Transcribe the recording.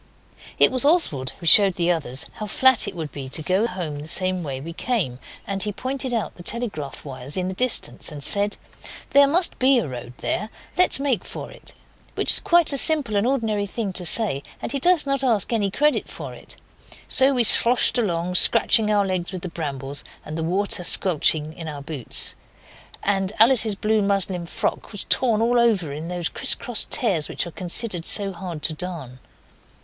It was Oswald who showed the others how flat it would be to go home the same way we came; and he pointed out the telegraph wires in the distance and said 'There must be a road there, let's make for it,' which was quite a simple and ordinary thing to say, and he does not ask for any credit for it. So we sloshed along, scratching our legs with the brambles, and the water squelched in our boots, and Alice's blue muslin frock was torn all over in those crisscross tears which are considered so hard to darn.